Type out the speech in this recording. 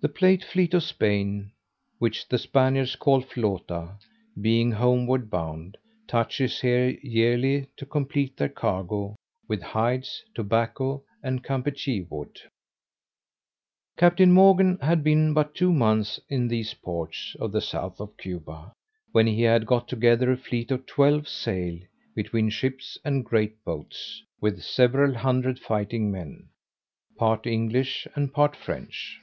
The plate fleet of Spain, which the Spaniards call Flota, being homeward bound, touches here yearly to complete their cargo with hides, tobacco, and Campechy wood. Captain Morgan had been but two months in these ports of the south of Cuba, when he had got together a fleet of twelve sail, between ships and great boats, with seven hundred fighting men, part English and part French.